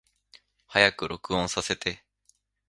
早く録音させて